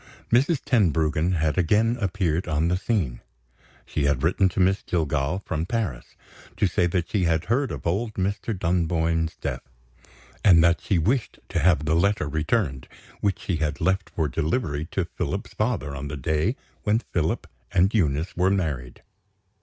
Mrs. Tenbruggen had again appeared on the scene! She had written to Miss Jillgall, from Paris, to say that she had heard of old Mr. Dunboyne's death, and that she wished to have the letter returned, which she had left for delivery to Philip's father on the day when Philip and Eunice were married.